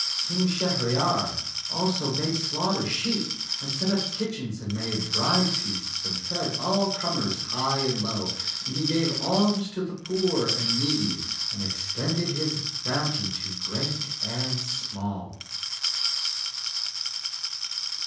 King Shahryar also bade slaughter sheep, and set up kitchens and made bride feasts and fed all comers, high and low; and he gave alms to the poor and needy and extended his bounty to great and small.